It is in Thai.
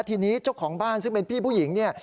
ทีนี้เจ้าของบ้านซึ่งเป็นพี่ผู้หญิงเนี่ย